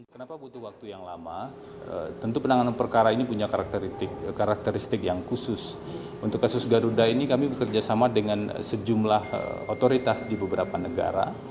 kepada penyidikan keterangan dan kelebihan negara